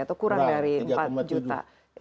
atau kurang dari empat juta